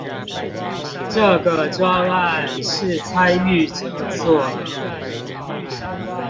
這個專案是參與者做的